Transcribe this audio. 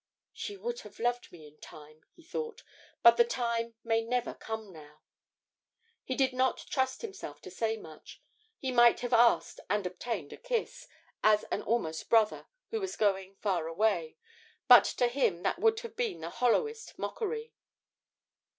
'She would have loved me in time,' he thought; 'but the time may never come now.' He did not trust himself to say much: he might have asked and obtained a kiss, as an almost brother who was going far away, but to him that would have been the hollowest mockery.